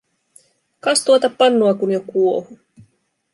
Kas tuota pannua, kun jo kuohuu.